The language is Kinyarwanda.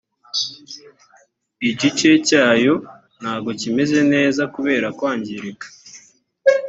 igice cyayo ntago kimeze neza kubera kwngirika